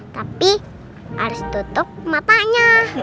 tapi harus tutup matanya